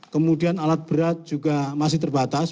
kemudian alat berat juga masih terbatas